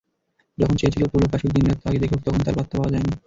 যখন চেয়েছিল পুলক আসুক, দিনরাত তাকে দেখুক, তখন তার পাত্তা পাওয়া যায়নি।